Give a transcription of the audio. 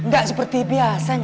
gak seperti biasanya